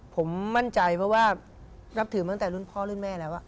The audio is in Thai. ผมมั่นใจเพราะว่านับถือมาตั้งแต่รุ่นพ่อรุ่นแม่แล้ว